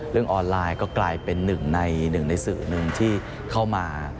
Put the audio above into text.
เรื่องออนไลน์ก็กลายเป็นหนึ่งในสื่อหนึ่งที่เข้ามา